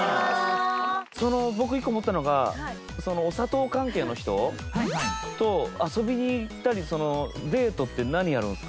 僕一個思ったのがそのお砂糖関係の人と遊びに行ったりデートって何やるんですか？